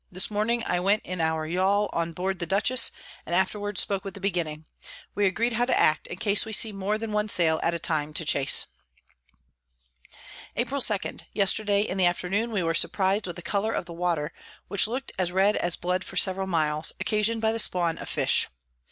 This Morning I went in our Yall on board the Dutchess, and afterwards spoke with the Beginning. We agreed how to act, in case we see more than one Sail at a time to chase. [Sidenote: From Lobos to the Northward.] April 2. Yesterday in the Afternoon we were surpriz'd with the Colour of the Water, which look'd as red as Blood for several miles, occasion'd by the Spawn of Fish.